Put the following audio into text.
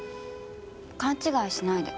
勘違いしないで。